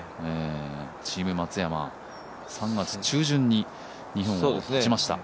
チーム松山、３月中旬に日本を発ちました。